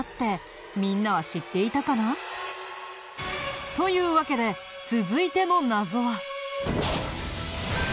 みんなは知っていたかな？というわけで続いての謎は。